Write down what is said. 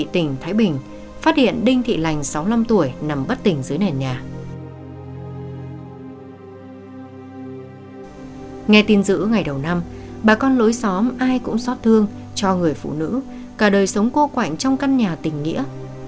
tối xóm ai cũng xót thương cho người phụ nữ cả đời sống cô quảnh trong căn nhà tình nghĩa